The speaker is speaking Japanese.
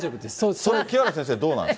清原先生、どうなんです？